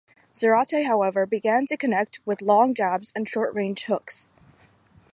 Zarate, however, began to connect with long jabs and short-range hooks.